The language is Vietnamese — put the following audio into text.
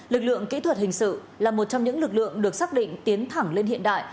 lực lượng kỹ thuật hình sự là một trong những lực lượng được xác định tiến thẳng lên hiện đại